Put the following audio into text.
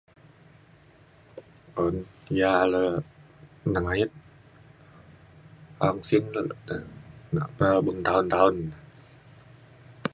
un ja le nengayet [unintelligible] nak pa beng ta’en ta’en.